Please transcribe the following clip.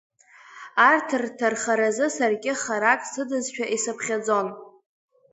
Арҭ рҭахаразы саргьы харак сыдызшәа исыԥхьаӡон.